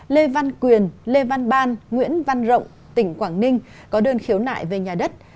lê văn quyền lê văn ban nguyễn văn rộng tỉnh quảng ninh có đơn khiếu nại về nhà đất